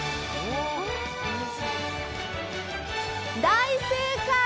大正解！